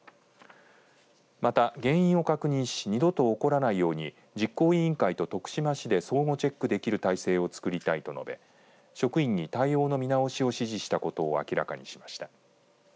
また、原因を確認し二度と起こらないように実行委員会と徳島市で相互チェックできる体制を作りたいと述べ職員に対応の見直しを指示したことを明らかにしました。